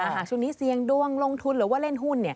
หากช่วงนี้เสี่ยงดวงลงทุนหรือว่าเล่นหุ้น